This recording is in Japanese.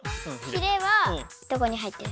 ヒレはどこに生えてる？